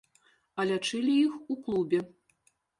А лячылі іх у клубе.